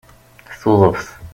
Tuḍeft